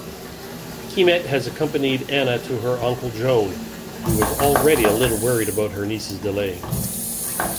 Quimet has accompanied Anna to her uncle Joan, who was already a little worried about her niece’s delay.